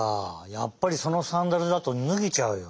やっぱりそのサンダルだとぬげちゃうよ。